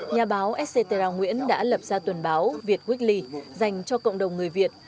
nhà báo sc terra nguyễn đã lập ra tuần báo việt weekly dành cho cộng đồng người việt